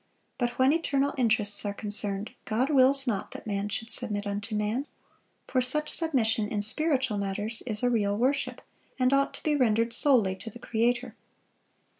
But when eternal interests are concerned, God wills not that man should submit unto man. For such submission in spiritual matters is a real worship, and ought to be rendered solely to the Creator."